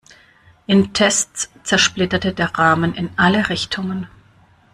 In Tests zersplitterte der Rahmen in alle Richtungen.